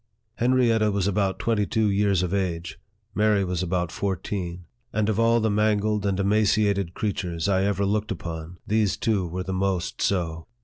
Henrietta was about twenty two years of age, Mary was about fourteen ; and of all the mangled and emaciated creatures I ever looked upon, these two were the most so.